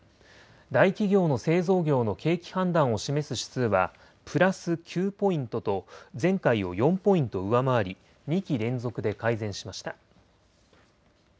大企業の製造業の景気判断を示す指数はプラス９ポイントと前回を４ポイント上回り２期連続で改善しました。